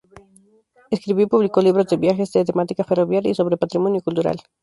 Escribió y publicó libros de viajes, de temática ferroviaria y sobre patrimonio cultural.